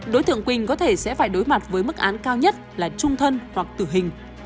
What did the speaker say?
đối tượng quỳnh có thể sẽ phải đối mặt với mức án cao nhất là trung thân hoặc tử hình